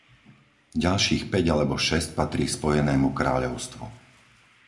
Ďalších päť alebo šesť patrí Spojenému kráľovstvu.